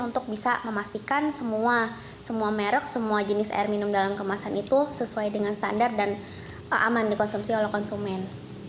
untuk bisa memastikan semua merek semua jenis air minum dalam kemasan itu sesuai dengan standar dan aman dikonsumsi oleh konsumen